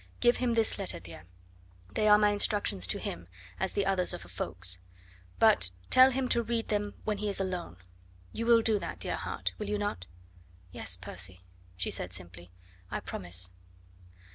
Give him this letter, dear; they are my instructions to him, as the others are for Ffoulkes; but tell him to read them when he is all alone. You will do that, dear heart, will you not?" "Yes, Percy," she said simply. "I promise."